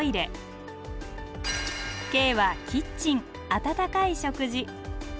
「Ｋ」はキッチンあたたかい食事。